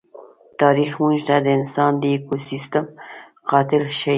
تاریخ موږ ته انسان د ایکوسېسټم قاتل ښيي.